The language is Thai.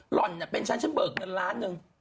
ห่อนเป็นฉันฉันเบิกเงินล้านหนึ่ง